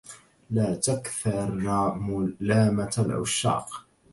لا تكثرن ملامة العشاق